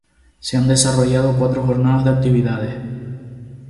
se han desarrollado cuatro jornadas de actividades